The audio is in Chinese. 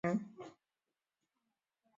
光绪十八年建门前的照壁。